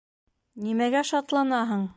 Нимәгә шатланаһың?